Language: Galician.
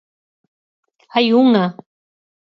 Hai unha.